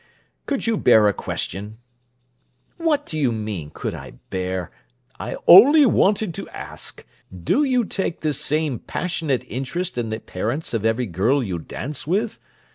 Could you bear a question?" "What do you mean: could I bear—" "I only wanted to ask: Do you take this same passionate interest in the parents of every girl you dance with?